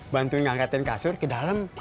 bantuin ngangkatin kasur ke dalam